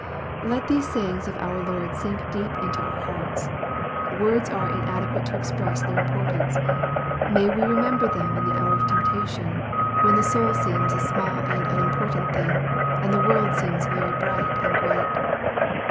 Let these sayings of our Lord sink deep into our hearts. Words are inadequate to express their importance. May we remember them in the hour of temptation, when the 172 EXPOSITORY THOUGHTS. soul seems a small and unimportant thing, and the world seems very bright and great.